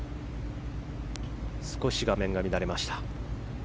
少し画面が乱れました。